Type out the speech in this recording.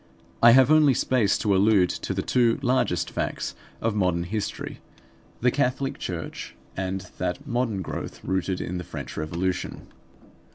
I have only space to allude to the two largest facts of modern history: the Catholic Church and that modern growth rooted in the French Revolution.